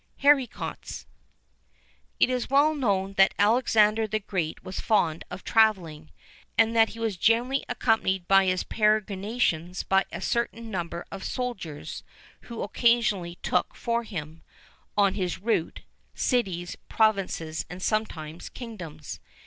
LEMAN. HARICOTS. It is well known that Alexander the Great was fond of travelling, and that he was generally accompanied in his peregrinations by a certain number of soldiers, who occasionally took for him, on his route, cities, provinces, and sometimes kingdoms.